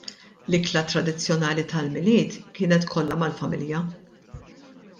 L-ikla tradizzjonali tal-Milied kienet kollha mal-familja.